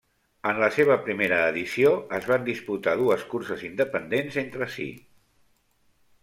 En la seva primera edició es van disputar dues curses independents entre si.